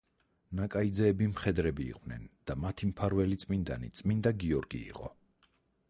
ნაკაიძეები მხედრები იყვნენ და მათი მფარველი წმინდანი წმინდა გიორგი იყო.